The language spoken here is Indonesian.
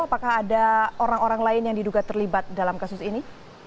apakah ada orang orang lain yang diduga terlibat dalam kasus ini